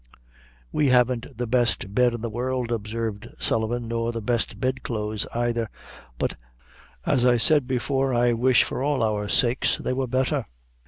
"We haven't the best bed in the world," observed Sullivan, "nor the best bed clothes aither, but, as I said before, I wish, for all our sakes, they were betther.